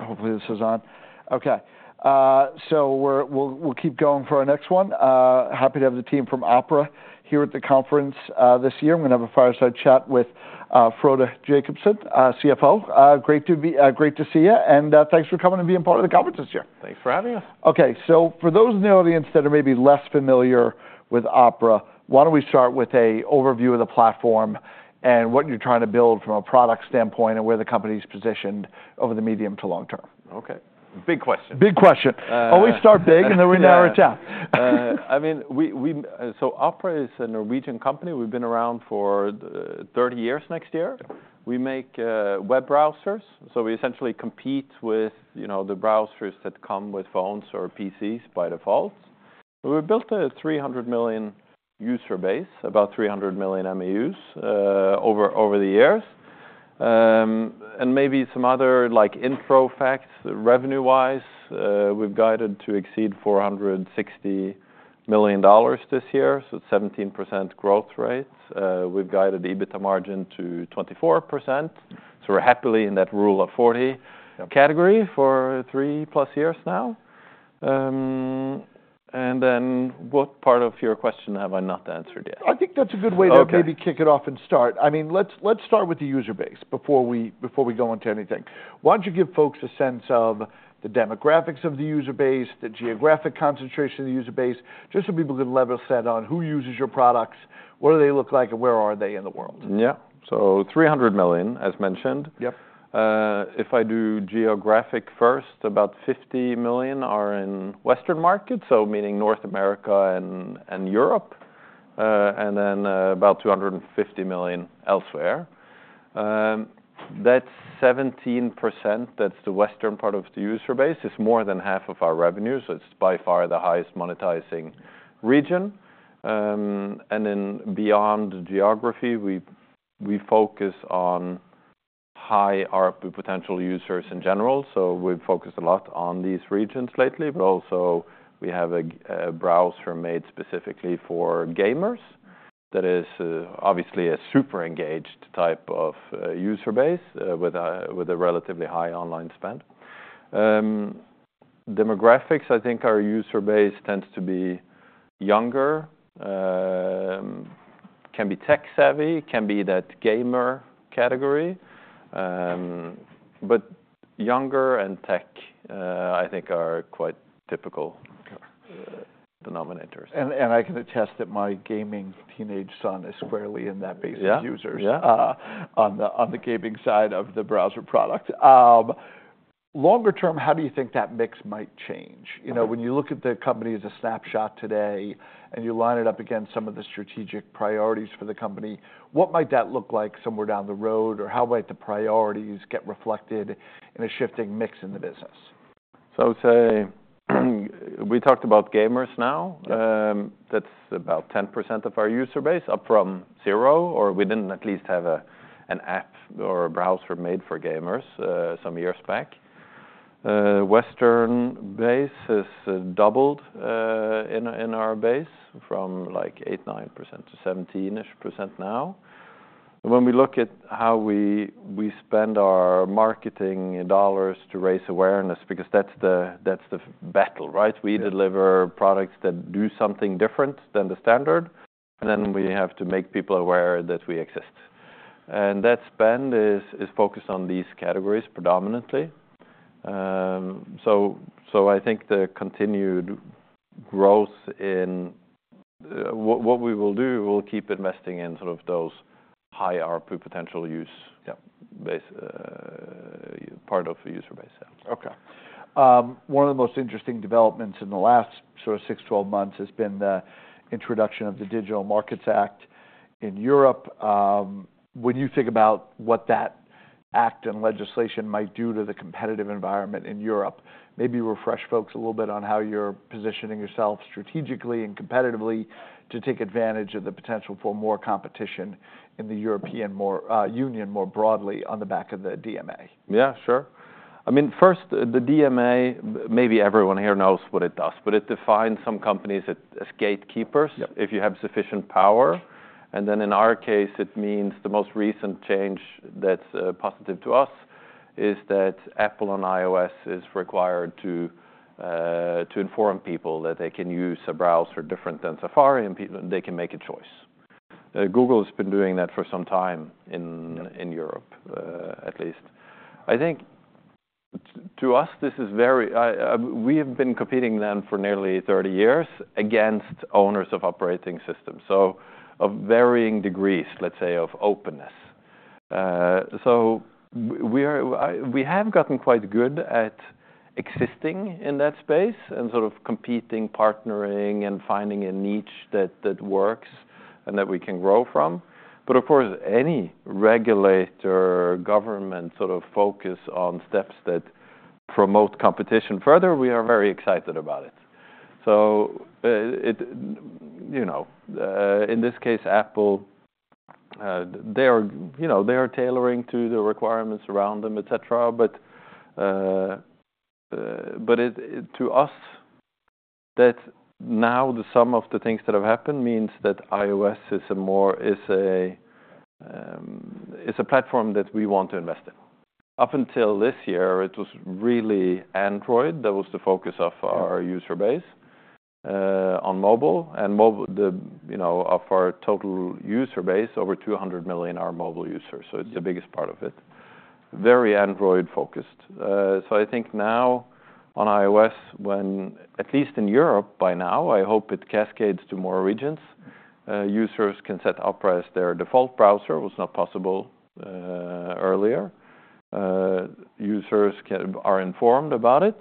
Hopefully, this is on. Okay, so we'll keep going for our next one. Happy to have the team from Opera here at the conference this year. I'm gonna have a fireside chat with Frode Jacobsen, CFO. Great to see you, and thanks for coming and being part of the conference this year. Thanks for having us. Okay, so for those in the audience that are maybe less familiar with Opera, why don't we start with an overview of the platform, and what you're trying to build from a product standpoint, and where the company's positioned over the medium to long term? Okay. Big question. Big question. Always start big, and then we narrow it down. I mean, so Opera is a Norwegian company. We've been around for 30 years next year. We make web browsers, so we essentially compete with, you know, the browsers that come with phones or PCs by default. We built a 300 million user base, about 300 million MAUs over the years. And maybe some other like intro facts, revenue-wise, we've guided to exceed $460 million this year, so 17% growth rate. We've guided EBITDA margin to 24%, so we're happily in that Rule of 40- Yeah category for three-plus years now, and then what part of your question have I not answered yet? I think that's a good way- Okay To maybe kick it off and start. I mean, let's start with the user base before we go into anything. Why don't you give folks a sense of the demographics of the user base, the geographic concentration of the user base, just so people can level set on who uses your products, what do they look like, and where are they in the world? Yeah, so 300 million, as mentioned. Yep. If I do geographic first, about 50 million are in Western markets, so meaning North America and Europe, and then about 250 million elsewhere. That 17%, that's the Western part of the user base, is more than half of our revenue, so it's by far the highest monetizing region. And then beyond geography, we focus on high ARPU potential users in general, so we've focused a lot on these regions lately. But also, we have a browser made specifically for gamers that is obviously a super engaged type of user base with a relatively high online spend. Demographics, I think our user base tends to be younger, can be tech-savvy, can be that gamer category, but younger and tech I think are quite typical denominators. I can attest that my gaming teenage son is squarely in that base of users. Yeah, yeah. On the gaming side of the browser product. Longer term, how do you think that mix might change? Okay. You know, when you look at the company as a snapshot today, and you line it up against some of the strategic priorities for the company, what might that look like somewhere down the road? Or how might the priorities get reflected in a shifting mix in the business? So I would say, we talked about gamers now. Yeah. That's about 10% of our user base, up from zero, or we didn't at least have an app or a browser made for gamers some years back. Western base has doubled in our base from, like, 8%, 9% to 17%-ish now. When we look at how we spend our marketing dollars to raise awareness, because that's the battle, right? Yeah. We deliver products that do something different than the standard, and then we have to make people aware that we exist, and that spend is focused on these categories predominantly. So I think the continued growth in... What we will do, we'll keep investing in sort of those high ARPU potential use- Yeah - base, part of the user base. Yeah. Okay. One of the most interesting developments in the last sort of six, twelve months has been the introduction of the Digital Markets Act in Europe. When you think about what that act and legislation might do to the competitive environment in Europe, maybe refresh folks a little bit on how you're positioning yourself strategically and competitively to take advantage of the potential for more competition in the European Union more broadly on the back of the DMA. Yeah, sure. I mean, first, the DMA, maybe everyone here knows what it does, but it defines some companies as gatekeepers. Yep... if you have sufficient power. And then in our case, it means the most recent change that's positive to us is that Apple on iOS is required to inform people that they can use a browser different than Safari, and they can make a choice. Google has been doing that for some time in Europe, at least. I think to us, this is very... We have been competing then for nearly thirty years against owners of operating systems, so of varying degrees, let's say, of openness. So we have gotten quite good at existing in that space and sort of competing, partnering, and finding a niche that works and that we can grow from. But of course, any regulator government sort of focus on steps that promote competition further, we are very excited about it. So, it, you know, in this case, Apple, they are, you know, they are tailoring to the requirements around them, et cetera. But, but it, to us-...That now the sum of the things that have happened means that iOS is a more, is a, is a platform that we want to invest in. Up until this year, it was really Android that was the focus of our user base on mobile. And the, you know, of our total user base, over two hundred million are mobile users, so it's the biggest part of it. Very Android focused. So I think now on iOS, when at least in Europe by now, I hope it cascades to more regions, users can set Opera as their default browser, was not possible earlier. Users are informed about it.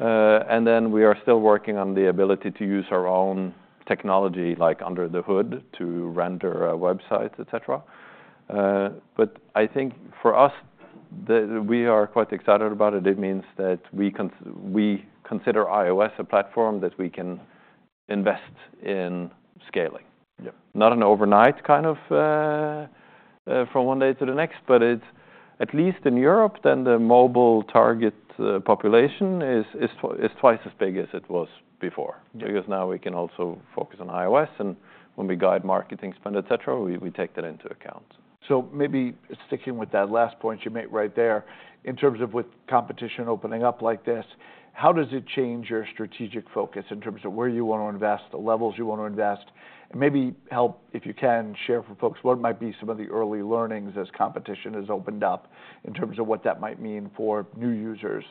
And then we are still working on the ability to use our own technology, like under the hood, to render websites, et cetera but I think for us, we are quite excited about it. It means that we consider iOS a platform that we can invest in scaling. Yeah. Not an overnight kind of from one day to the next, but it's at least in Europe, then the mobile target population is twice as big as it was before. Because now we can also focus on iOS, and when we guide marketing spend, et cetera, we take that into account. So maybe sticking with that last point you made right there, in terms of with competition opening up like this, how does it change your strategic focus in terms of where you want to invest, the levels you want to invest? And maybe help, if you can, share for folks what might be some of the early learnings as competition has opened up, in terms of what that might mean for new users,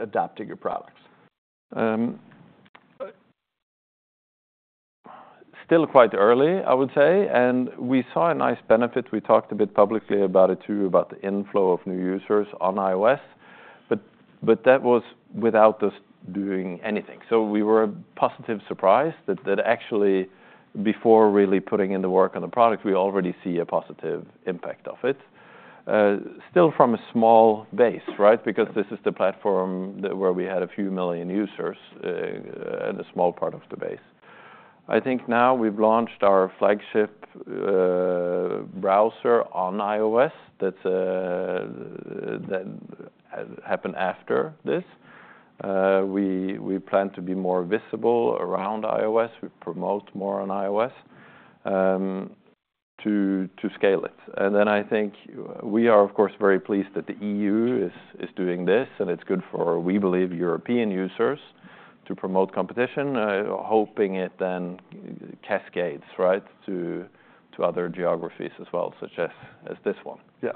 adapting your products? Still quite early, I would say, and we saw a nice benefit. We talked a bit publicly about it, too, about the inflow of new users on iOS, but that was without us doing anything. So we were positively surprised that actually, before really putting in the work on the product, we already see a positive impact of it. Still from a small base, right? Because this is the platform where we had a few million users, and a small part of the base. I think now we've launched our flagship browser on iOS. That happened after this. We plan to be more visible around iOS. We promote more on iOS to scale it. And then I think we are, of course, very pleased that the EU is doing this, and it's good for, we believe, European users to promote competition, hoping it then cascades, right, to other geographies as well, such as this one. Yes,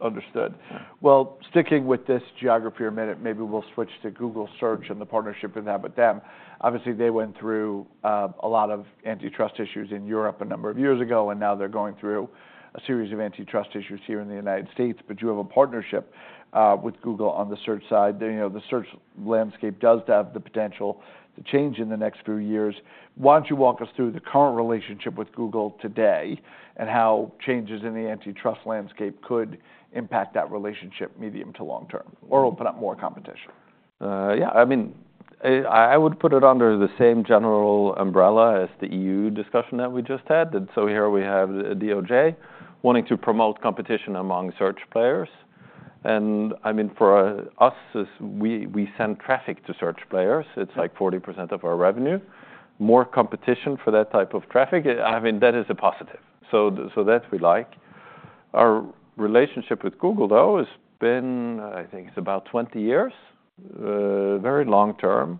understood. Well, sticking with this geography a minute, maybe we'll switch to Google Search and the partnership in that with them. Obviously, they went through a lot of antitrust issues in Europe a number of years ago, and now they're going through a series of antitrust issues here in the United States. But you have a partnership with Google on the Search side. Then, you know, the Search landscape does have the potential to change in the next few years. Why don't you walk us through the current relationship with Google today, and how changes in the antitrust landscape could impact that relationship, medium to long term, or open up more competition? Yeah. I mean, I would put it under the same general umbrella as the EU discussion that we just had. So here we have the DOJ wanting to promote competition among search players. And I mean, for us, as we send traffic to search players, it's like 40% of our revenue. More competition for that type of traffic, I mean, that is a positive. So that we like. Our relationship with Google, though, has been, I think it's about 20 years, very long term.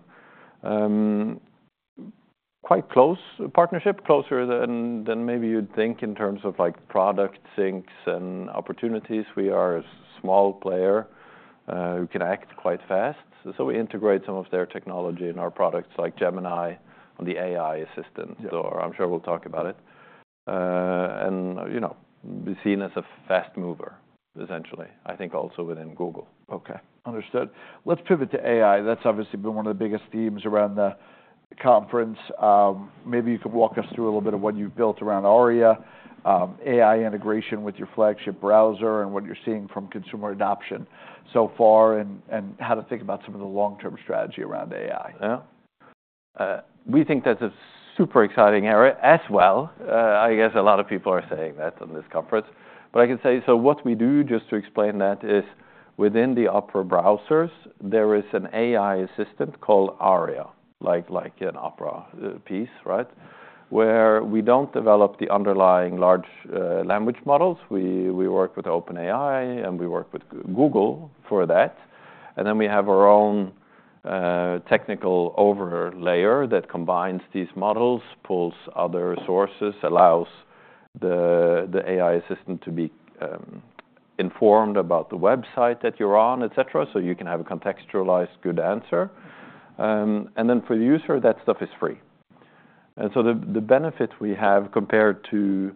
Quite close partnership, closer than maybe you'd think in terms of, like, product syncs and opportunities. We are a small player, who can act quite fast. So we integrate some of their technology in our products, like Gemini and the AI assistant. Yeah. So I'm sure we'll talk about it. And, you know, be seen as a fast mover, essentially, I think also within Google. Okay, understood. Let's pivot to AI. That's obviously been one of the biggest themes around the conference. Maybe you could walk us through a little bit of what you've built around Aria, AI integration with your flagship browser, and what you're seeing from consumer adoption so far, and how to think about some of the long-term strategy around AI? Yeah. We think that's a super exciting area as well. I guess a lot of people are saying that in this conference. But I can say, so what we do, just to explain that, is within the Opera browsers, there is an AI assistant called Aria, like an opera piece, right? Where we don't develop the underlying large language models. We work with OpenAI, and we work with Google for that. And then we have our own technical overlay that combines these models, pulls other sources, allows the AI assistant to be informed about the website that you're on, et cetera, so you can have a contextualized good answer. And then for the user, that stuff is free. And so the benefit we have compared to,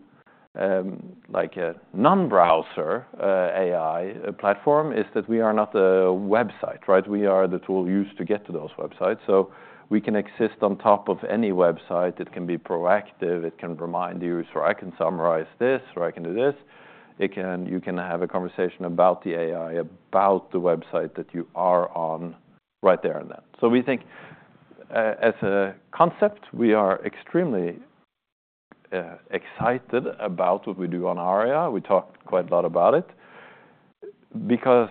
like a non-browser AI platform, is that we are not a website, right? We are the tool used to get to those websites. So we can exist on top of any website. It can be proactive, it can remind you, so I can summarize this, or I can do this. It can. You can have a conversation about the AI, about the website that you are on right there and then. So we think, as a concept, we are extremely excited about what we do on Aria. We talked quite a lot about it. Because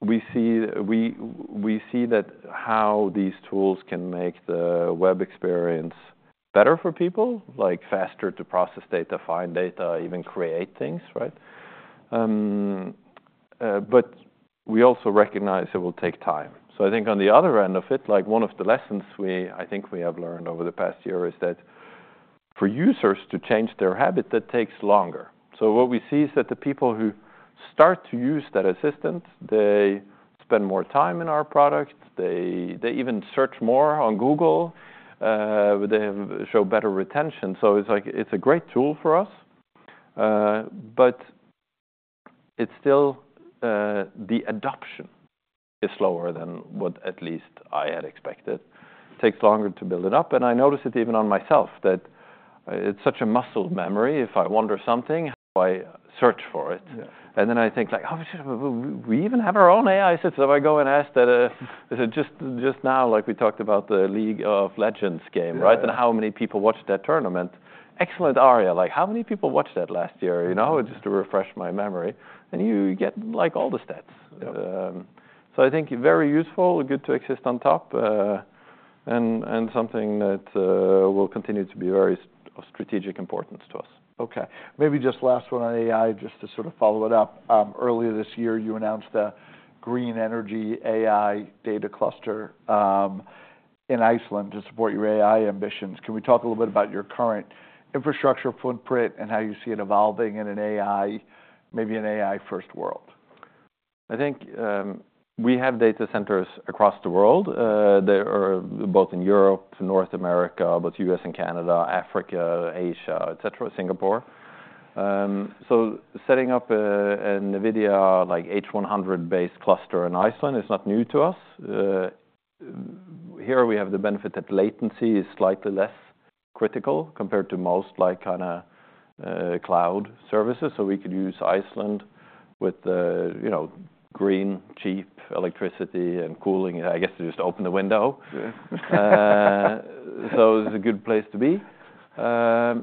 we see that how these tools can make the web experience better for people, like faster to process data, find data, even create things, right? But we also recognize it will take time. So I think on the other end of it, like, one of the lessons I think we have learned over the past year, is that for users to change their habit, that takes longer. So what we see is that the people who start to use that assistant, they spend more time in our product, they even search more on Google, they show better retention. So it's like, it's a great tool for us, but it's still, the adoption is slower than what at least I had expected. Takes longer to build it up, and I notice it even on myself, that, it's such a muscle memory. If I wonder something, I search for it. Yeah. Then I think, like, "Oh, shit, we even have our own AI assist." I go and ask that just now, like, we talked about the League of Legends game, right? Yeah. How many people watched that tournament? Excellent, Aria, like, how many people watched that last year? You know, just to refresh my memory. You get, like, all the stats. Yep. I think very useful, good to exist on top, and something that will continue to be very of strategic importance to us. Okay. Maybe just last one on AI, just to sort of follow it up. Earlier this year, you announced the green energy AI data cluster in Iceland to support your AI ambitions. Can we talk a little bit about your current infrastructure footprint, and how you see it evolving in an AI, maybe an AI-first world? I think, we have data centers across the world. They are both in Europe to North America, both U.S. and Canada, Africa, Asia, et cetera, Singapore. So setting up, an NVIDIA, like H100-based cluster in Iceland is not new to us. Here we have the benefit that latency is slightly less critical compared to most like kinda, cloud services, so we could use Iceland with the, you know, green, cheap electricity and cooling. I guess, they just open the window. Yeah. So it's a good place to be. That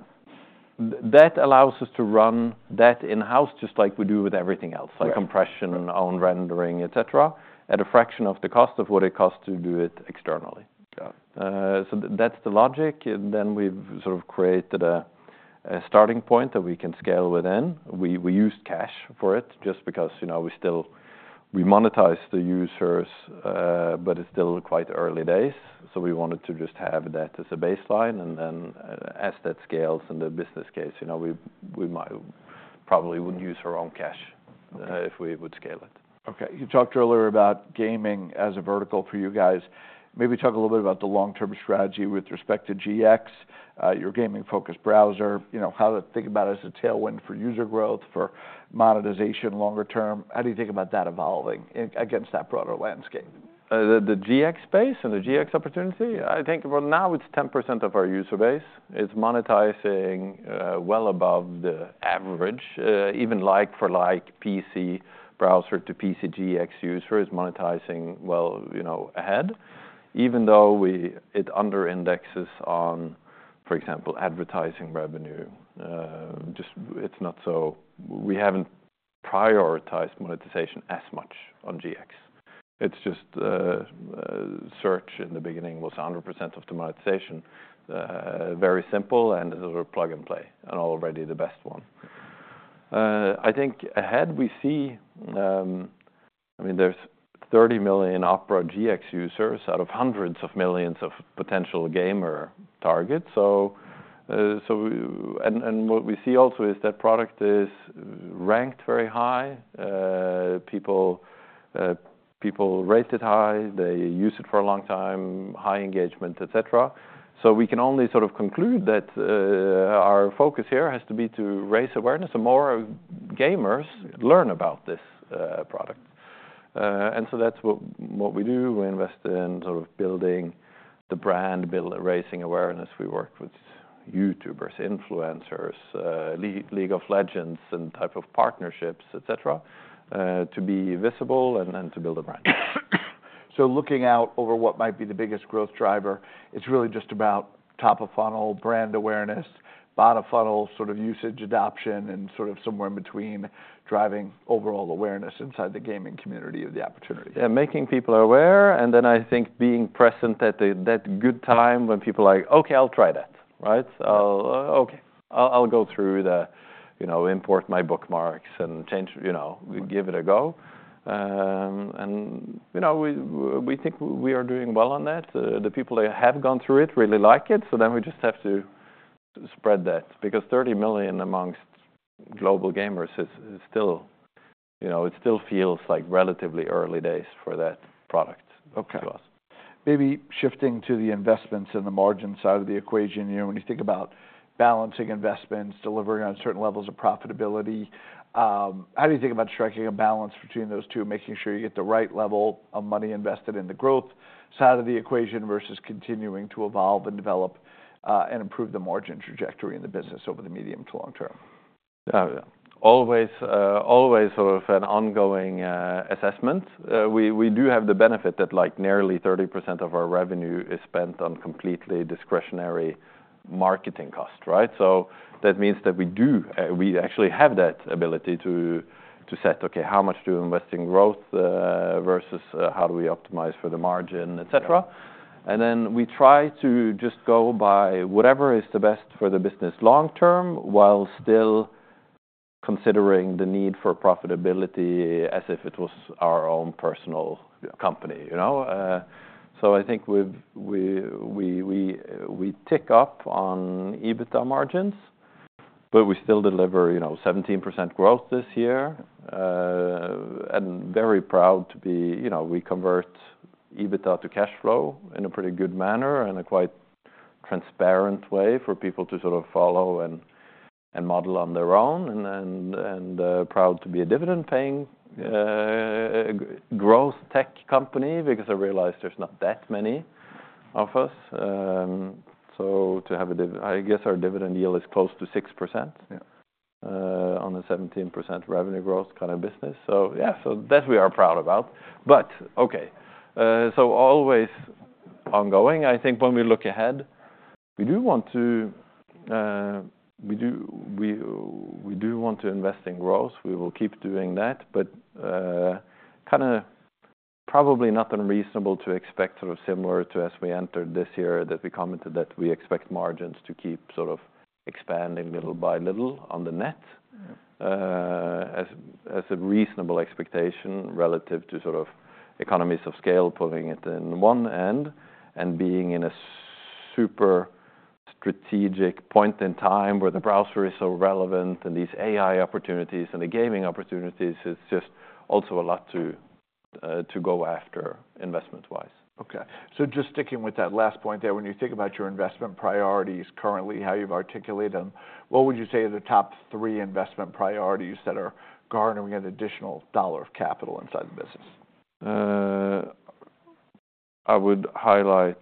allows us to run that in-house, just like we do with everything else-like compression and own rendering, et cetera, at a fraction of the cost of what it costs to do it externally. Got it. So that's the logic. And then we've sort of created a starting point that we can scale within. We used cash for it, just because, you know, we still monetize the users, but it's still quite early days, so we wanted to just have that as a baseline. And then, as that scales in the business case, you know, we might probably would use our own cash if we would scale it. Okay. You talked earlier about gaming as a vertical for you guys. Maybe talk a little bit about the long-term strategy with respect to GX, your gaming focus browser. You know, how to think about it as a tailwind for user growth, for monetization longer term. How do you think about that evolving against that broader landscape? The GX space and the GX opportunity? I think for now, it's 10% of our user base. It's monetizing well above the average. Even like for like PC browser to PC GX user is monetizing well, you know, ahead. Even though it under indexes on, for example, advertising revenue, just it's not so. We haven't prioritized monetization as much on GX. It's just search in the beginning was 100% of the monetization. Very simple, and it was a plug-and-play, and already the best one. I think ahead we see. I mean, there's 30 million Opera GX users out of hundreds of millions of potential gamer targets. So, and what we see also is that product is ranked very high. People rate it high, they use it for a long time, high engagement, et cetera. So we can only sort of conclude that our focus here has to be to raise awareness, and more gamers learn about this product. And so that's what we do. We invest in sort of building the brand, raising awareness. We work with YouTubers, influencers, League of Legends, and type of partnerships, et cetera, to be visible and then to build a brand. So, looking out over what might be the biggest growth driver, it's really just about top of funnel, brand awareness, bottom of funnel, sort of usage, adoption, and sort of somewhere in between, driving overall awareness inside the gaming community of the opportunity. Yeah, making people aware, and then I think being present at that good time when people are like, "Okay, I'll try that." Right? "Okay, I'll go through the, you know, import my bookmarks and change," you know, "give it a go." And, you know, we think we are doing well on that. The people that have gone through it really like it, so then we just have to spread that, because 30 million amongst global gamers is still... You know, it still feels like relatively early days for that product-to us. Maybe shifting to the investments in the margin side of the equation. You know, when you think about balancing investments, delivering on certain levels of profitability, how do you think about striking a balance between those two, making sure you get the right level of money invested in the growth side of the equation, versus continuing to evolve and develop, and improve the margin trajectory in the business over the medium to long term?... Always sort of an ongoing assessment. We do have the benefit that, like, nearly 30% of our revenue is spent on completely discretionary marketing costs, right? So that means that we actually have that ability to set, okay, how much do you invest in growth versus how do we optimize for the margin, et cetera. And then we try to just go by whatever is the best for the business long term, while still considering the need for profitability as if it was our own personal company, you know? So I think we tick up on EBITDA margins, but we still deliver, you know, 17% growth this year. And very proud to be, you know, we convert EBITDA to cash flow in a pretty good manner, in a quite transparent way for people to sort of follow and proud to be a dividend-paying growth tech company, because I realize there's not that many of us. So to have a dividend, I guess, our dividend yield is close to 6% On a 17% revenue growth kind of business. So yeah, so that we are proud about. But okay, so always ongoing. I think when we look ahead, we do want to invest in growth. We will keep doing that, but kinda probably not unreasonable to expect sort of similar to as we entered this year, that we commented that we expect margins to keep sort of expanding little by little on the net. Yeah. As a reasonable expectation relative to sort of economies of scale, pulling it in one end, and being in a super strategic point in time where the browser is so relevant, and these AI opportunities and the gaming opportunities, it's just also a lot to go after investment-wise. Okay. So just sticking with that last point there, when you think about your investment priorities currently, how you've articulated them, what would you say are the top three investment priorities that are garnering an additional dollar of capital inside the business? I would highlight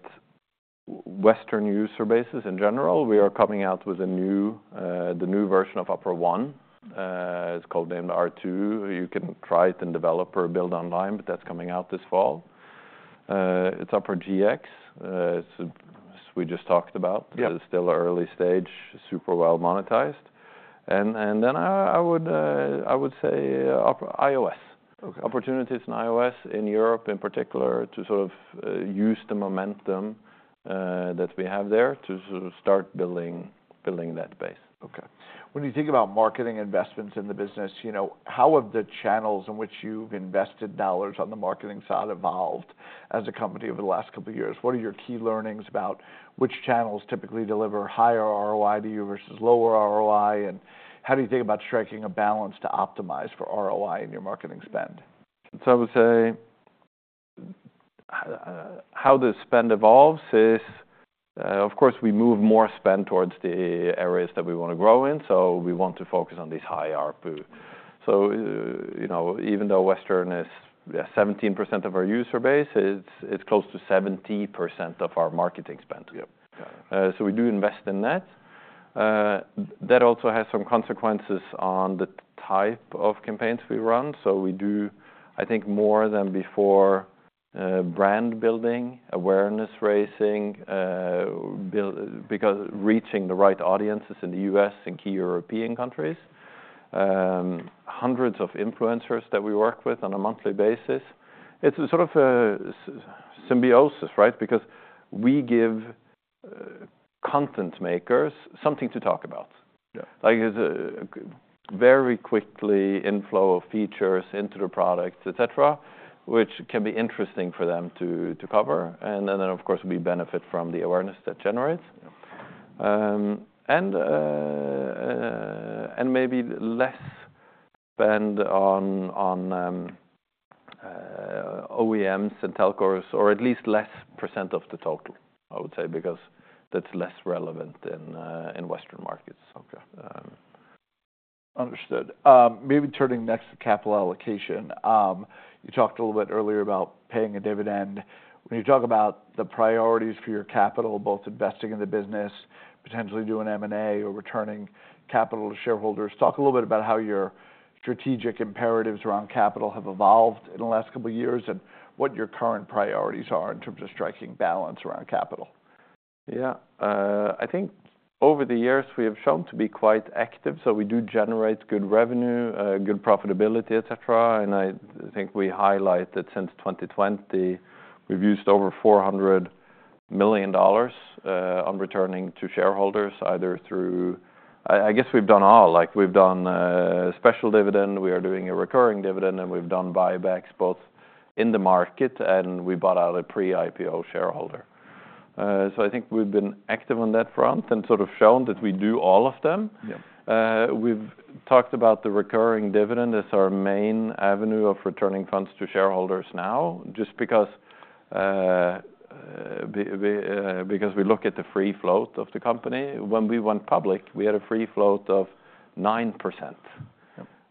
Western user bases in general. We are coming out with a new version of Opera One. It's called R2. You can try it in Developer Build online, but that's coming out this fall. It's Opera GX, so as we just talked about but it's still early stage, super well monetized. And then I would say Opera iOS.Opportunities in iOS, in Europe, in particular, to sort of use the momentum that we have there to sort of start building that base. Okay. When you think about marketing investments in the business, you know, how have the channels in which you've invested dollars on the marketing side evolved as a company over the last couple of years? What are your key learnings about which channels typically deliver higher ROI to you versus lower ROI, and how do you think about striking a balance to optimize for ROI in your marketing spend? I would say how the spend evolves is, of course, we move more spend towards the areas that we want to grow in, so we want to focus on this high ARPU. You know, even though Western is 17% of our user base, it's close to 70% of our marketing spend. Yep. Got it. So we do invest in that. That also has some consequences on the type of campaigns we run, so we do, I think, more than before, brand building, awareness raising, because reaching the right audiences in the U.S. and key European countries, hundreds of influencers that we work with on a monthly basis, it's a sort of a symbiosis, right? Because we give content makers something to talk about. Yeah. Like, it's a very quickly inflow of features into the product, et cetera, which can be interesting for them to cover, and then, of course, we benefit from the awareness that generates. Yeah. Maybe less spend on OEMs and telcos, or at least less percent of the total, I would say, because that's less relevant in Western markets. Okay. Understood. Maybe turning next to capital allocation. You talked a little bit earlier about paying a dividend. When you talk about the priorities for your capital, both investing in the business, potentially doing M&A or returning capital to shareholders, talk a little bit about how your strategic imperatives around capital have evolved in the last couple of years, and what your current priorities are in terms of striking balance around capital? Yeah. I think over the years, we have shown to be quite active, so we do generate good revenue, good profitability, et cetera. And I think we highlight that since 2020, we've used over $400 million on returning to shareholders, either through, I guess we've done all. Like, we've done special dividend, we are doing a recurring dividend, and we've done buybacks, both in the market, and we bought out a pre-IPO shareholder. So I think we've been active on that front and sort of shown that we do all of them. Yeah. We've talked about the recurring dividend as our main avenue of returning funds to shareholders now, just because we look at the free float of the company. When we went public, we had a free float of 9%.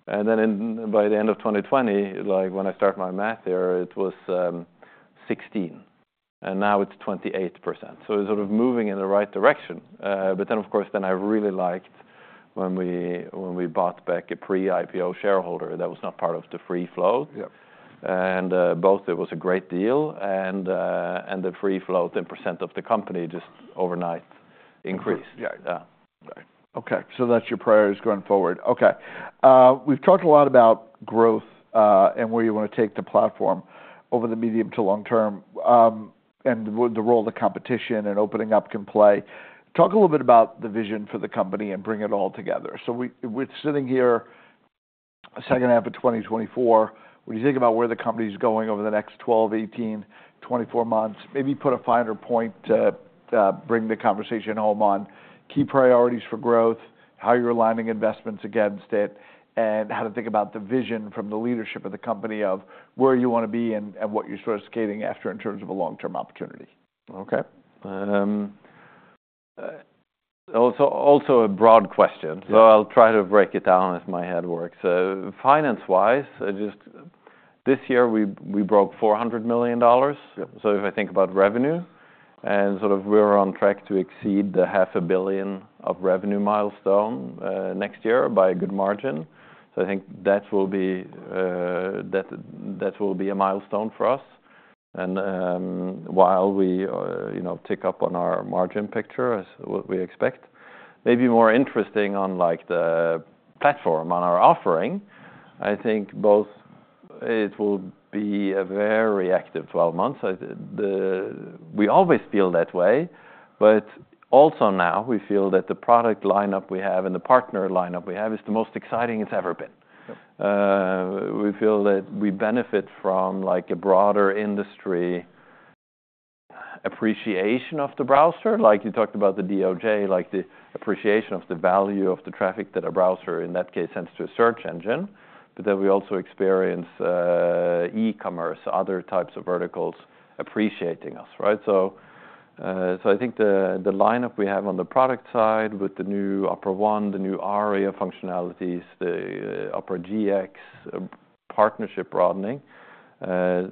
Then by the end of 2020, like, when I start my math here, it was sixteen, and now it's 28%. So it's sort of moving in the right direction. But then, of course, I really liked when we bought back a pre-IPO shareholder that was not part of the free float. Yep. Both it was a great deal, and the free float and percent of the company just overnight increased. Yeah. Yeah. Right. Okay, so that's your priorities going forward. Okay. We've talked a lot about growth, and where you wanna take the platform over the medium to long term, and the role of competition and opening up can play. Talk a little bit about the vision for the company and bring it all together. So we're sitting here, second half of twenty twenty-four, when you think about where the company is going over the next twelve, eighteen, twenty-four months, maybe put a finer point to, bring the conversation home on key priorities for growth, how you're aligning investments against it, and how to think about the vision from the leadership of the company of where you wanna be and what you're sort of skating after in terms of a long-term opportunity. Okay. So also a broad question So I'll try to break it down as my head works. Finance-wise, I just this year, we broke $400 million. So if I think about revenue, and sort of we're on track to exceed the $500 million revenue milestone next year by a good margin. I think that will be a milestone for us. And while we you know tick up on our margin picture as what we expect, maybe more interesting on like the platform on our offering, I think both it will be a very active twelve months. We always feel that way, but also now we feel that the product lineup we have and the partner lineup we have is the most exciting it's ever been. Yep. We feel that we benefit from, like, a broader industry appreciation of the browser, like you talked about the DOJ, like the appreciation of the value of the traffic that a browser, in that case, sends to a search engine. But then we also experience e-commerce, other types of verticals appreciating us, right? So I think the lineup we have on the product side, with the new Opera One, the new Aria functionalities, the Opera GX, partnership broadening, that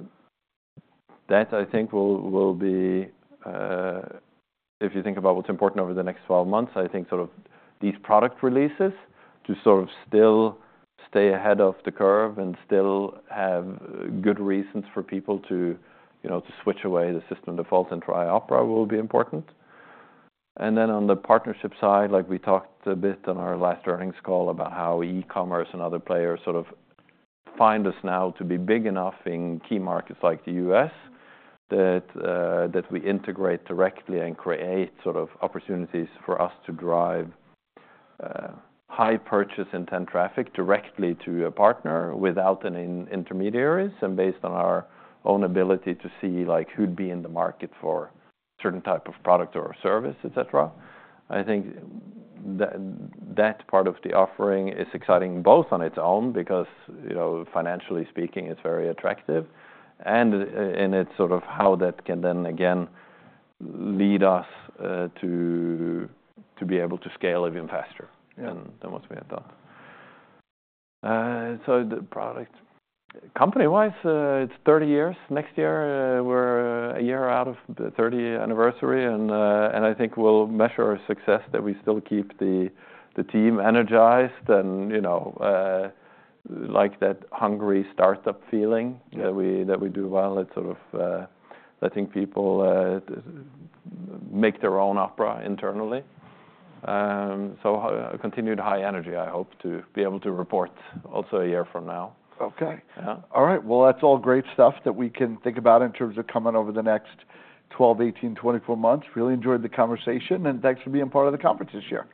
I think will be, if you think about what's important over the next twelve months, I think sort of these product releases to sort of still stay ahead of the curve and still have good reasons for people to, you know, to switch away the system default and try Opera will be important. And then on the partnership side, like we talked a bit on our last earnings call, about how e-commerce and other players sort of find us now to be big enough in key markets like the U.S., that we integrate directly and create sort of opportunities for us to drive high purchase intent traffic directly to a partner without any intermediaries, and based on our own ability to see, like, who'd be in the market for certain type of product or service, et cetera. I think that part of the offering is exciting, both on its own, because, you know, financially speaking, it's very attractive, and it's sort of how that can then again lead us to be able to scale even faster than what we had thought. So the product. Company-wise, it's thirty years. Next year, we're a year out of the 30th anniversary, and I think we'll measure our success that we still keep the team energized and, you know, like that hungry start-up feeling that we do well. It's sort of letting people make their own Opera internally, so a continued high energy, I hope to be able to report also a year from now. Okay. Yeah. All right, well, that's all great stuff that we can think about in terms of coming over the next 12, 18, 24 months. Really enjoyed the conversation, and thanks for being part of the conference this year.